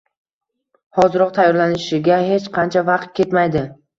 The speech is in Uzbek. Hoziroq! Tayyorlanishiga hech qancha vaqt ketmaydi.